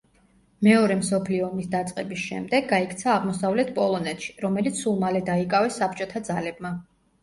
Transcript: მეორე მსოფლიო ომის დაწყების შემდეგ გაიქცა აღმოსავლეთ პოლონეთში, რომელიც სულ მალე დაიკავეს საბჭოთა ძალებმა.